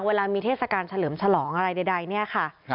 เวลามีเทศกาลเฉลิมฉลองอะไรใดเนี่ยค่ะ